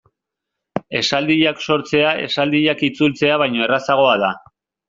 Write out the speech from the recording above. Esaldiak sortzea esaldiak itzultzea baino errazagoa da.